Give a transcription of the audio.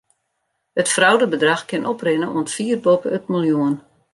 It fraudebedrach kin oprinne oant fier boppe it miljoen.